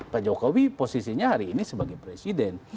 pak jokowi posisinya hari ini sebagai presiden